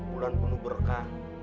bulan penuh berkah